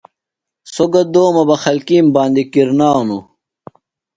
سوۡ گہ دومہ بہ خلکِیم باندیۡ کِرنانوۡ۔